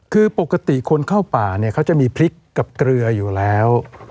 คือปกติคนเข้าป่าเนี่ยเขาจะมีพริกกับเกลืออยู่แล้ว